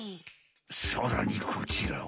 さらにこちらは。